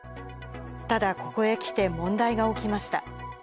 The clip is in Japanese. ただ、ここへきて問題が起きました。